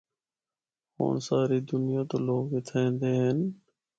ہونڑ ساری دنیا تو لوگ اِتھا ایندے ہن۔